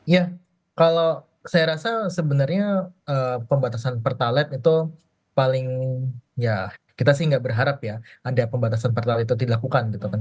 ya kalau saya rasa sebenarnya pembatasan pertalite itu paling ya kita sih nggak berharap ya ada pembatasan pertalit itu dilakukan gitu kan